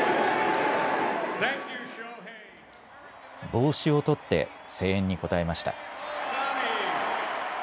帽子を取って声援に応えました。